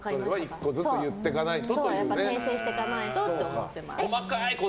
１個ずつ訂正していかないとって思ってます。